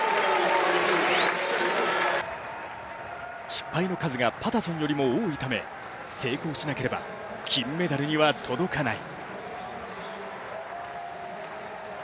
失敗の数がパタソンよりも多いため成功しなければ金メダルには届かない。